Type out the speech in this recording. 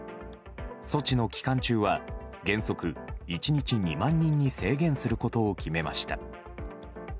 措置の期間中は原則１日２万人に制限することを決めました。